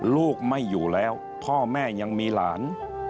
ลูกไม่อยู่แล้วพ่อแม่ยังมีหลาน